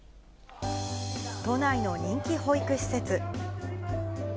都内の人気保育施設。